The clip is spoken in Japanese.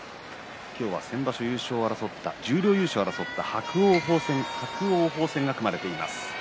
今日は先場所、十両優勝を争った伯桜鵬戦が組まれています。